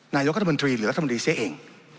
นายรกธรรมนิธรีเหลือธรรมนิเสชเก่ง